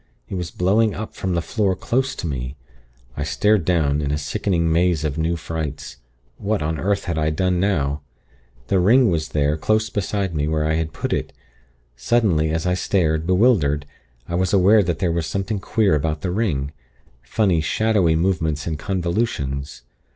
It was blowing up from the floor close to me. I stared down, in a sickening maze of new frights. What on earth had I done now! The ring was there, close beside me, where I had put it. Suddenly, as I stared, bewildered, I was aware that there was something queer about the ring funny shadowy movements and convolutions.